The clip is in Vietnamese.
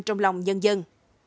trong lòng nhân dân